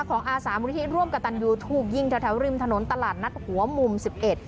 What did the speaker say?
ของอาสามูริธิร่วมกับทูกยิงแถวริมถนนตลาดนัดหัวมุมสิบเอ็ด